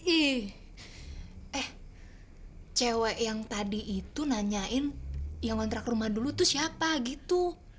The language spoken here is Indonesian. eh eh cewek yang tadi itu nanyain yang ngontrak rumah dulu tuh siapa gitu